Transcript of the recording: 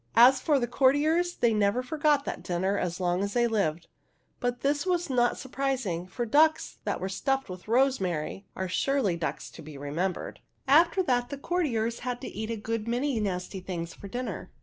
As for the courtiers, they never forgot that dinner as long as they lived ; but this was not surpris ing, for ducks that are stuffed with rosemary are surely ducks to be remembered. After that, the courtiers had to eat a good many nasty things for dinner.